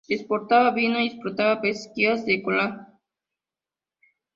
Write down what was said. Exportaba vino y explotaba pesquerías de coral.